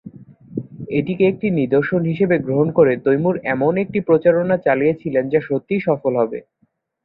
এটিকে একটি নিদর্শন হিসেবে গ্রহণ করে তৈমুর এমন একটি প্রচারণা চালিয়েছিলেন যা সত্যিই সফল হবে।